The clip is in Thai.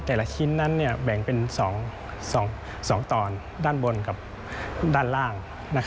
แต่ละชิ้นนั้นแบ่งเป็น๒ตอนด้านบนกับด้านล่าง